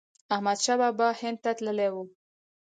احمد شاه بابا هند ته تللی و.